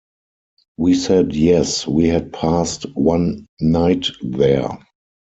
We said yes, we had passed one night there.